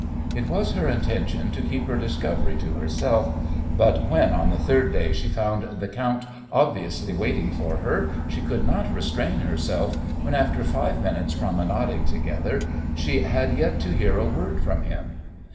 It was her intention to keep her discovery to herself, but when on the third day she found the "count" obviously waiting for her she could not restrain herself when after five minutes' promenading together she had yet to hear a word from him.